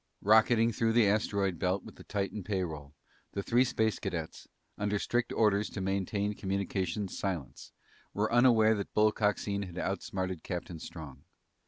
Rocketing through the asteroid belt with the Titan pay roll, the three space cadets, under strict orders to maintain communications silence, were unaware that Bull Coxine had outsmarted Captain Strong.